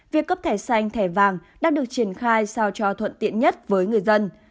việc cấp thẻ xanh thẻ vàng đang được triển khai sao cho thuận tiện nhất với người dân